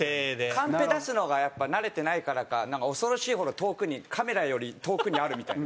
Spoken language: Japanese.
カンペ出すのがやっぱ慣れてないからかなんか恐ろしいほど遠くにカメラより遠くにあるみたいな。